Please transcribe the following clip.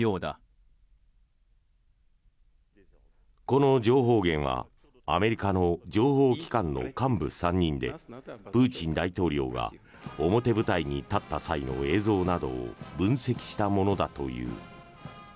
この情報源はアメリカの情報機関の幹部３人でプーチン大統領が表舞台に立った際の映像などを分析したものだという。